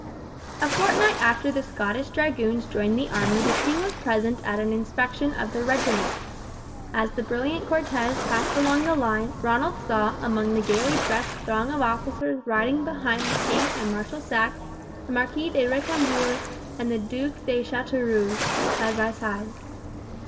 A fortnight after the Scottish Dragoons joined the army the king was present at an inspection of their regiment. As the brilliant cortege passed along the line Ronald saw among the gaily dressed throng of officers riding behind the king and Marshal Saxe the Marquis de Recambours and the Duke de Chateaurouge side by side.